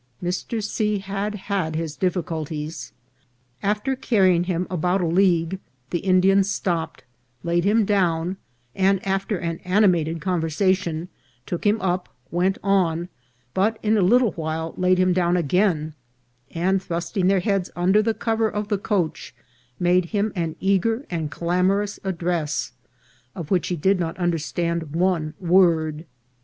Mr. C. had had his difficulties. After carrying him about a league, the Indians stopped, laid him down, and, after an ani mated conversation, took him up, went on, but in a little while laid him down again, and, thrusting their heads under the cover of the coach, made him an eager and clamorous address, of which he did not under stand one word.